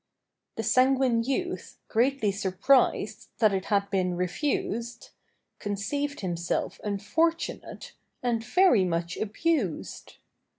The sanguine youth, greatly surprised That it had been refused, Conceived himself unfortunate And very much abused.